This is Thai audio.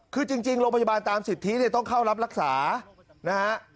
คือจริงโรงพยาบาลตามสิทธิเนี่ยต้องเข้ารับรักษานะฮะ